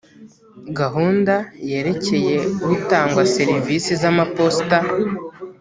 gahunda yerekeye utanga serivisi z’amaposita